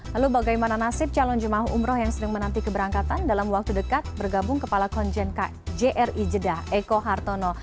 lalu bagaimana nasib calon jemaah umroh yang sering menanti keberangkatan dalam waktu dekat bergabung kepala konjen kjri jeddah eko hartono